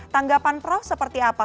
tanggapan prof seperti apa